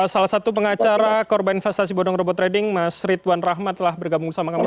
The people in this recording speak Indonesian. salah satu pengacara korban investasi bodong robot trading mas ritwan rahmat telah bergabung sama kami